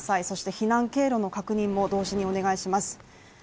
そして避難経路の確認も同時にお願いします。